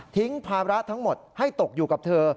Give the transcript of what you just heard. ภาระทั้งหมดให้ตกอยู่กับเธอ